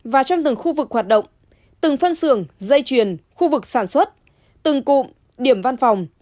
và trong từng khu vực hoạt động từng phân xưởng dây chuyền khu vực sản xuất từng cụm điểm văn phòng